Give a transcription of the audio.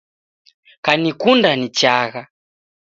Kanikunda nichagha